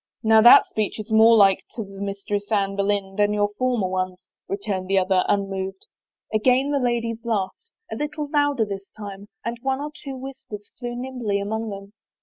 " Now that speech is more like to the Mistress Anne Boleyn than your former ones," returned the other, un moved. Again the ladies laughed, a little louder this time, and one or two whispers flew nimbly among them.